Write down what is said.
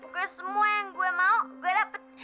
gue semua yang gue mau gue dapet